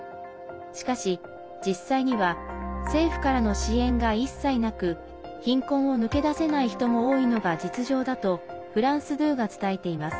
しかし、実際には政府からの支援が一切なく貧困を抜け出せない人も多いのが実情だとフランス２が伝えています。